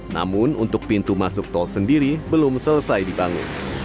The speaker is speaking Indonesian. namun untuk pintu masuk tol sendiri belum selesai dibangun